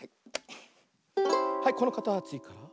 はいこのかたちから。